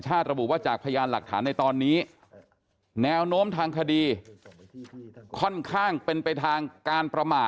จากประหยารหลักฐานในตอนนี้แนวโน้มทางคดีค่อนข้างเป็นเป็นทางการประหม่า